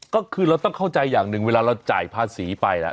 ก็คือเราต้องเข้าใจอย่างหนึ่งเวลาเราจ่ายภาษีไป